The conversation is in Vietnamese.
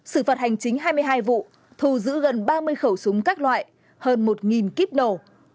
xử phạt hành chính hai mươi hai vụ thu giữ gần ba mươi khẩu súng các loại hơn một kíp nổ